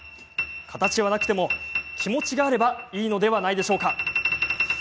形がなくても気持ちがあればいいのではないでしょうか。